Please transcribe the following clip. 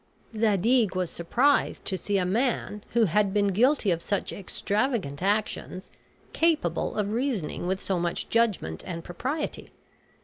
Zadig was surprised to see a man, who had been guilty of such extravagant actions, capable of reasoning with so much judgment and propriety.